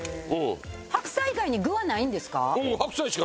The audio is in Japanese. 白菜以外に具はないんですか？